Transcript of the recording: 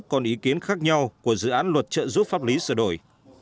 còn ý kiến khác nhau của dự án luật trợ giúp pháp lý sửa đổi